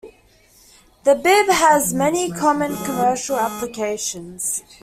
The BiB has many common commercial applications.